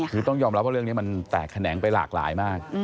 คือต้องยอมรับว่าเรื่องนี้มันแตกแขนงไปหลากหลายมาก